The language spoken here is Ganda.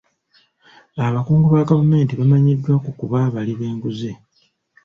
Abakungu ba gavumenti bamanyiddwa ku kuba abali b'enguzi.